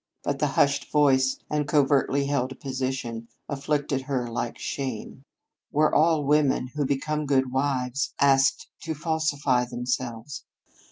But the hushed voice and covertly held position afflicted her like shame. Were all women who became good wives asked to falsify themselves?